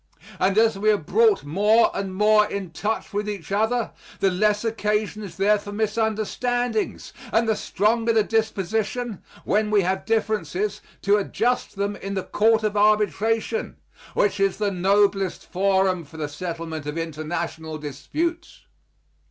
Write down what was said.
And as we are brought more and more in touch with each other, the less occasion is there for misunderstandings, and the stronger the disposition, when we have differences, to adjust them in the court of arbitration, which is the noblest forum for the settlement of international disputes.